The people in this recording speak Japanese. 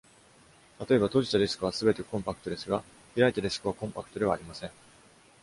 たとえば、閉じたディスクはすべてコンパクトですが、開いたディスクはコンパクトではありません。